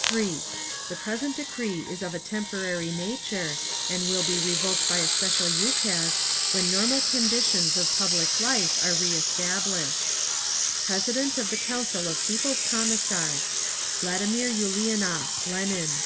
3. The present decree is of a temporary nature, and will be revoked by a special ukaz when normal conditions of public life are re established. President of the Council of People's Commissars, VLADIMIR ULIANOV (LENIN).